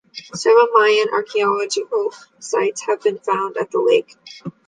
Several Mayan archaeological sites have been found at the lake.